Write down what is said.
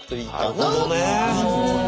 なるほどね。